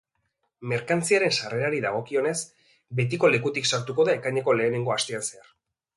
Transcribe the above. Merkantziaren sarrerari dagokionez, betiko lekutik sartuko da ekaineko lehenengo astean zehar.